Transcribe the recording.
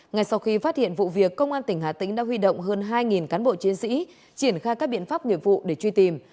ngay sau khi phát hiện vụ việc công an tỉnh hà tĩnh đã huy động hơn hai cán bộ chiến sĩ triển khai các biện pháp nghiệp vụ để truy tìm